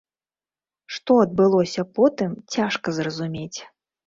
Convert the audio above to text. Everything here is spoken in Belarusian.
Што адбылося потым цяжка зразумець.